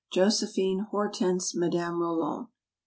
JOSEPHINE. HORTENSE. MADAME ROLAND.